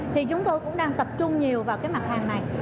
thì chúng tôi cũng đang tập trung nhiều vào cái mặt hàng này